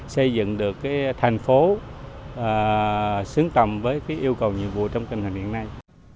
xây dựng được thành phố xứng tầm với yêu cầu nhiệm vụ trong tình hình hiện nay